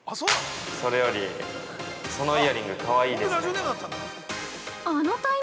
◆それより、そのイヤリングかわいいですね？